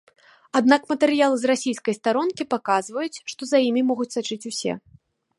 Аднак матэрыялы з расійскай старонкі паказваюць, што за імі могуць сачыць усе.